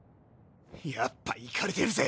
やっぱイカれてるぜ。